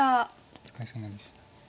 お疲れさまでした。